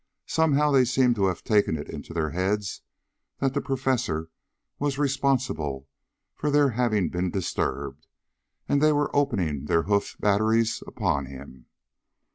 Somehow they seemed to have taken it into their heads that the Professor was responsible for their having been disturbed and they were opening their hoof batteries upon him.